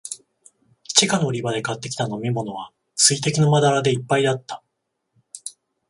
地下の売り場で買ってきた飲みものは、水滴のまだらでいっぱいだった。